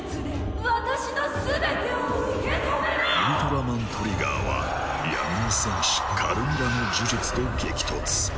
ウルトラマントリガーは闇の戦士カルミラの呪術と激突。